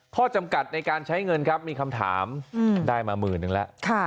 ข้อจำกัดในการใช้เงินครับมีคำถามได้มาหมื่นนึงแล้ว